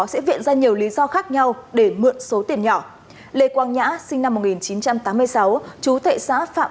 sẽ viện ra nhiều lý do khác nhau để mượn số tiền nhỏ lê quang nhã sinh năm một nghìn chín trăm tám mươi sáu chú thệ xã phạm